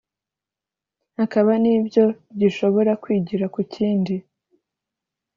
hakaba n’ibyo gishobora kwigira ku kindi